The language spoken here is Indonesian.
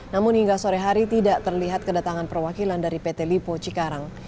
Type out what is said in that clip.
namun hingga sore hari tidak terlihat kedatangan perwakilan dari pt lipo cikarang